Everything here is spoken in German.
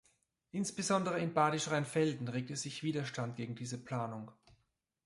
Insbesondere in Badisch-Rheinfelden regte sich Widerstand gegen diese Planung.